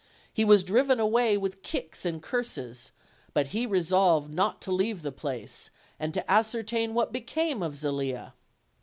He was driven away with kicks and curses, but he resolved not to leave the place, and to ascertain what became of Zelia.